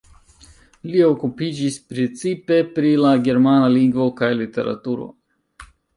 Li okupiĝis precipe pri la germana lingvo kaj literaturo.